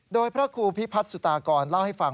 โดยพระครูพิพัฒนสุตากรเล่าให้ฟัง